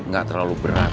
gak terlalu berat